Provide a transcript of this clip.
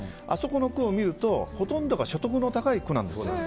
あの区を見るとほとんどが所得の高い区なんです。